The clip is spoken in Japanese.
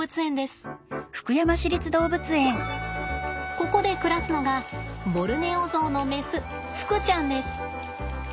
ここで暮らすのがボルネオゾウのメスふくちゃんです。